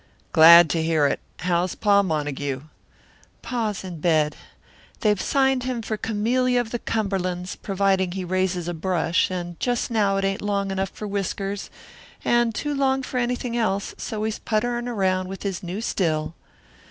"Glad to hear it. How's Pa Montague?" "Pa's in bed. They've signed him for Camillia of the Cumberlands, providing he raises a brush, and just now it ain't long enough for whiskers and too long for anything else, so he's putterin' around with his new still."